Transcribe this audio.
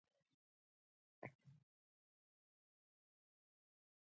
د راشدینو خلیفه ګانو دوره وه.